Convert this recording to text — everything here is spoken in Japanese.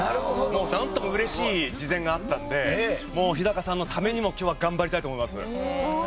もうなんとも嬉しい事前があったのでもう日さんのためにも今日は頑張りたいと思います。